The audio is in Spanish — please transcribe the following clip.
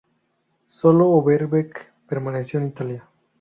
Sólo Overbeck permaneció en Italia.